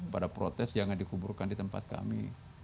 pada protes jangan dikuburkan di tempat kami